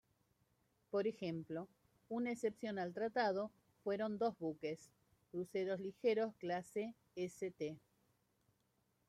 Por ejemplo; una excepción al "tratado" fueron dos buques, Cruceros Ligeros Clase "St.